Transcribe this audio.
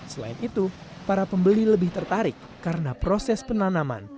selain itu para pembeli lebih tertarik karena proses penanaman